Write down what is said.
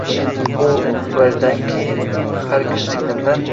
Shu vajdanki har kun singlimdan —